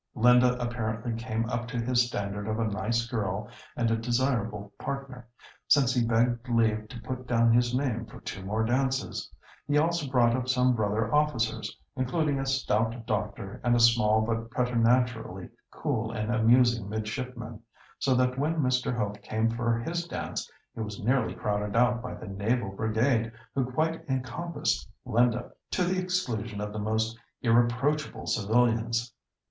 Linda apparently came up to his standard of a nice girl and a desirable partner, since he begged leave to put down his name for two more dances; he also brought up some brother officers, including a stout doctor and a small but preternaturally cool and amusing midshipman, so that when Mr. Hope came for his dance, he was nearly crowded out by the naval brigade, who quite encompassed Linda, to the exclusion of the most irreproachable civilians.